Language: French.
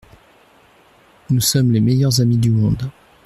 Nous sommes les meilleurs amis du monde.